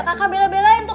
kakak bela belain tuh